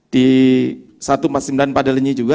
di satu ratus empat puluh sembilan padelenyi juga